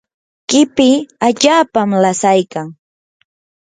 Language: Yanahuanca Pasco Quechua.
qipi allaapam lasaykan.